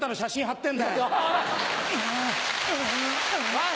おい！